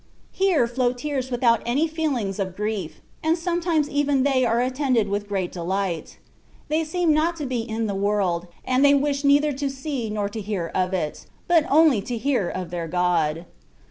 Here flow tears without any feelings of grief, and sometimes even they are attended with great delight. • They seem not to be in the world, and they wish neither to see nor to hear of it, but only to hear of their God.